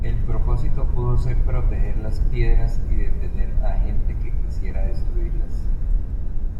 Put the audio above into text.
El propósito pudo ser proteger las piedras y detener a gente que quisiera destruirlas.